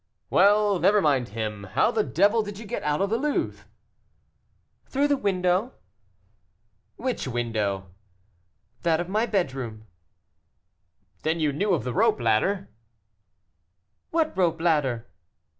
"Well, never mind him. How the devil did you get out of the Louvre?" "Through the window." "Which window?" "That of my bedroom." "Then you knew of the rope ladder?" "What rope ladder?"